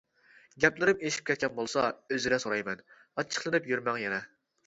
گەپلىرىم ئېشىپ كەتكەن بولسا ئۆزرە سورايمەن، ئاچچىقلىنىپ يۈرمەڭ يەنە.